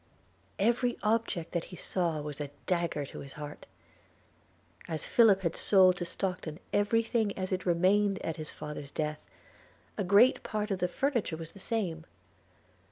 Every object that he saw was a dagger to his heart. As Philip had sold to Stockton every thing as it remained at his father's death, a great part of the furniture was the same.